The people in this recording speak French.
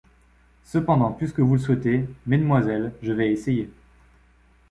Cependant, puisque vous le souhaitez, mesdamoiselles, je vais essayer.